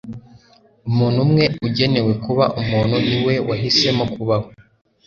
umuntu umwe ugenewe kuba umuntu ni we wahisemo kuba we